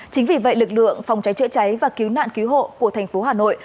chính vì vậy lực lượng phòng cháy chữa cháy và cứu nạn cứu hộ của thành phố hà nội